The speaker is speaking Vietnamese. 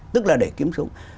tức là để kiếm sống